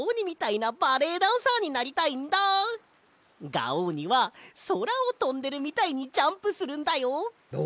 ガオーニはそらをとんでるみたいにジャンプするんだよ。お！